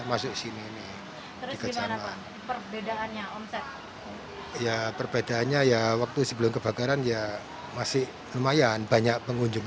masuk sini perbedaannya ya perbedaannya ya waktu sebelum kebakaran ya masih lumayan banyak pengunjung